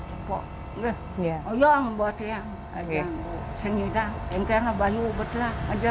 cukup ya iya yang buat yang aja senyidang yang kena bayu betul aja